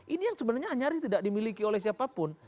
ini yang sebenarnya nyaris tidak dimiliki oleh siapapun